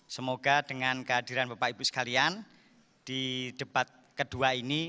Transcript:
semoga dengan kehadiran bapak ibu sekalian di debat kedua ini